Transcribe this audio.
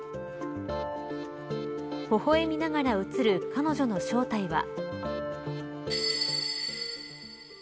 ほほえみながら写る彼女の正体は。